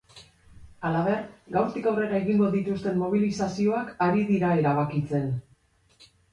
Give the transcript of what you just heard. Halaber, gaurtik aurrera egingo dituzten mobilizazioak ari dira erabakitzen.